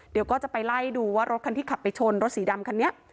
เดี๋ยวก็จะไปไล่ดูว่ารถคันที่ขับไปชนรถสีดำคันนี้